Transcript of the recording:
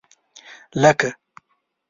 لکه